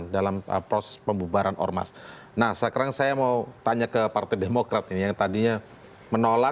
dari contoh sudah disampaikan dengan bang refli